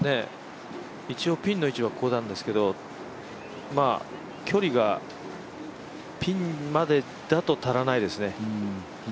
一応ピンの位置はここなんですけど距離がピンまでだと足らないですね。